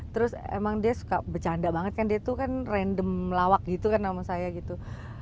terus emang dia suka bercanda banget kan dia tuh kan random lawak gitu kan sama saya gitu